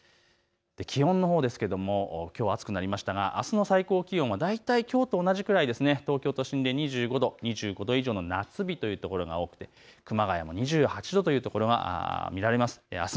気温ですが、きょうは暑くなりましたが、あすの最高気温は大体きょうと同じくらい、東京都心で２５度、夏日というところが多く熊谷、２８度というところが見られます。